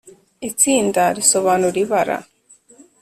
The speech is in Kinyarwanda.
itsinda, risobanura ibara.